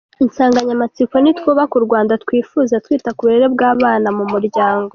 Insanganyamatsiko ni ‘‘Twubake u Rwanda twifuza twita ku burere bw’abana mu muryango”.